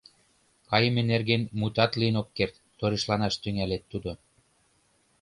— Кайыме нерген мутат лийын ок керт, — торешланаш тӱҥале тудо.